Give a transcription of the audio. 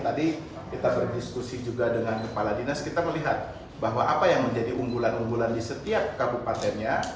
tadi kita berdiskusi juga dengan kepala dinas kita melihat bahwa apa yang menjadi unggulan unggulan di setiap kabupatennya